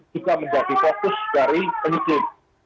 juga menjadi fokus dari penyidik